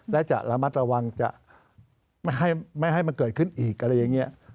และจะระมัดระวังจะไม่ให้มันเกิดขึ้นอีกอะไรอย่างนี้